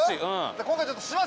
今回ちょっと。